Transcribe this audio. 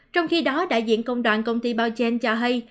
trong khi đó đại diện công đoàn công ty bao chên cho hay